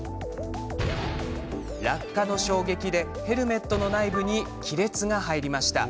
落下の衝撃でヘルメットの内部に亀裂が入りました。